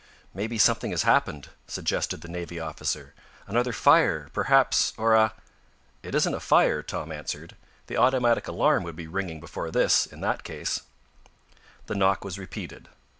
"May be something has happened," suggested the navy officer, "another fire, perhaps, or a " "It isn't a fire," Tom answered. "The automatic alarm would be ringing before this in that case." The knock was repeated.